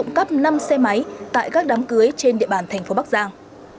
công an thành phố bắc giang đã trụng cắp năm xe máy tại các đám cưới trên địa bàn thành phố bắc giang